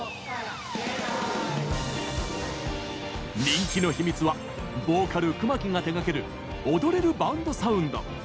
人気の秘密はボーカル・熊木が手がける踊れるバンドサウンド。